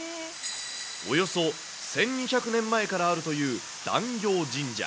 およそ１２００年前からあるという壇鏡神社。